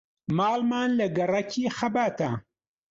ماڵمان لە گەڕەکی خەباتە.